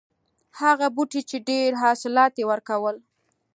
هغه بوټی چې ډېر حاصلات یې ورکول.